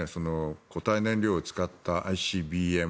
固体燃料を使ったＩＣＢＭ。